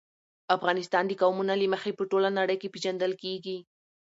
افغانستان د قومونه له مخې په ټوله نړۍ کې پېژندل کېږي.